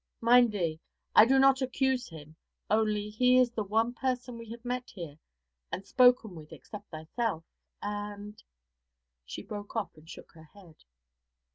Mind thee, I do not accuse him only he is the one person we have met here and spoken with except thyself; and ' She broke off and shook her head.